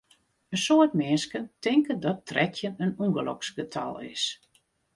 In soad minsken tinke dat trettjin in ûngeloksgetal is.